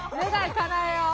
かなえよう。